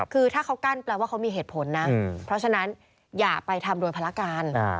คือถ้าเขากั้นแปลว่าเขามีเหตุผลนะเพราะฉะนั้นอย่าไปทำโดยภารการ